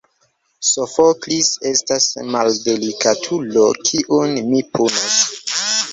Sofoklis estas maldelikatulo, kiun mi punos.